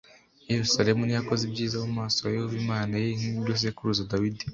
i Yerusalemu Ntiyakoze ibyiza mu maso ya Yehova Imana ye nk ibyo sekuruza Dawidi